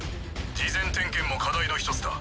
事前点検も課題の一つだ。